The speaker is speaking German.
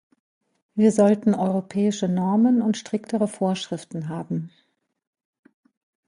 Wir sollten europäische Normen und striktere Vorschriften haben.